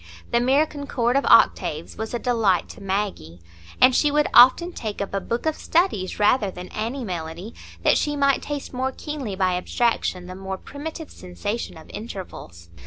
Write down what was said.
The mere concord of octaves was a delight to Maggie, and she would often take up a book of studies rather than any melody, that she might taste more keenly by abstraction the more primitive sensation of intervals.